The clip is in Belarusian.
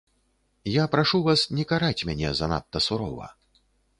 Я прашу вас не караць мяне занадта сурова.